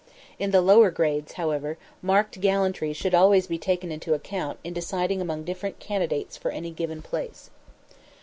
In the lower grades, however, marked gallantry should always be taken into account in deciding among different candidates for any given place.